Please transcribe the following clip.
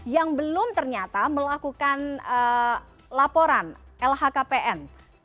yang belum ternyata melakukan laporan lhkpn